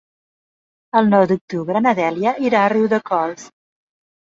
El nou d'octubre na Dèlia irà a Riudecols.